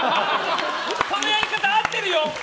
そのやり方合ってるよ！